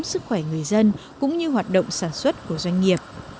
sức khỏe người dân cũng như hoạt động sản xuất của doanh nghiệp